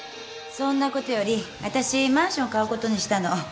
そんなことより私マンション買うことにしたの。